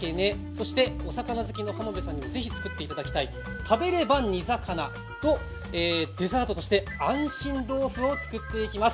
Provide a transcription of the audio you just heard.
そして、お魚好きの浜辺さんにぜひ作っていただきたい「食べれば煮魚」とデザートとして「安心豆腐」を作っていきます。